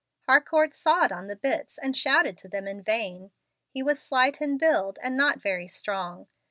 Harcourt sawed on the bits and shouted to them in vain. He was slight in build, and not very strong.